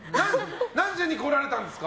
何時に来られたんですか？